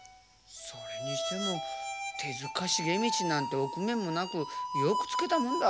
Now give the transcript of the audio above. それにしても手塚茂道なんて臆面もなくよく付けたもんだ。